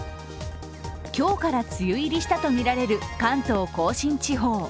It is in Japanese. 今日から梅雨入りしたとみられる関東甲信地方。